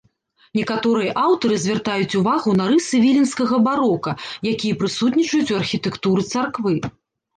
Некаторыя аўтары звяртаюць увагу на рысы віленскага барока, якія прысутнічаюць у архітэктуры царквы.